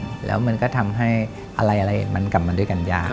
จะทำให้อะไรมันกลับมาด้วยกันย้า